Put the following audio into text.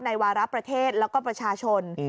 วาระประเทศแล้วก็ประชาชน